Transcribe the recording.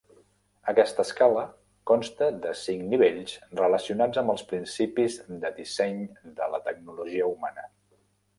Aquesta escala consta de cinc nivells relacionats amb els principis de disseny de la tecnologia humana.